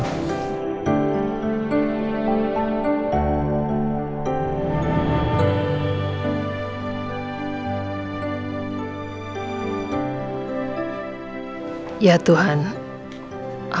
al begitu sayang sama reina